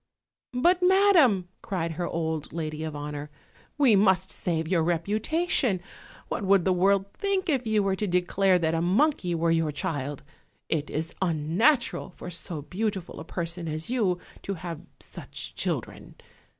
"But, madam," cried her old lady of honor, "we must OLD, OLD FAIRY TALES. 205 save your reputation; what would the world think if you were to declare that a monkey were your child? It is unnatural for so beautiful a person as you to have such children."